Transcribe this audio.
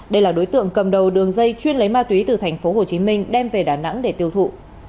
đây là đối tượng cầm đầu đường dây chuyên lấy ma túy từ tp hcm đem về đà nẵng để tiêu thụ